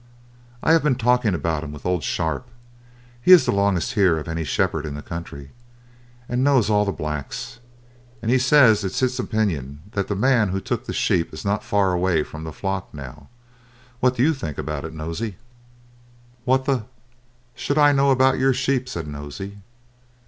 I have been talking about 'em with old Sharp; he is the longest here of any shepherd in the country, and knows all the blacks, and he says it's his opinion the man who took the sheep is not far away from the flock now. What do you think about it, Nosey?" "What the should I know about your sheep?" said Nosey.